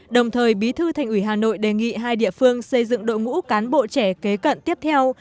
đồng thời bí thư thành ủy hà nội đề nghị hai địa phương xây dựng đội ngũ cán bộ trẻ kế cận tiếp theo